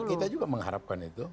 kita juga mengharapkan itu